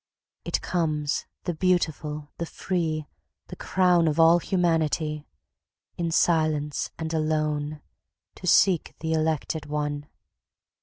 It comes, the beautiful, the free, The crown of all humanity, In silence and alone To seek the elected one.